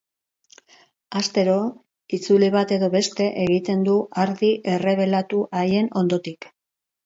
Astero itzuli bat edo beste egiten du ardi errebelatu haien ondotik.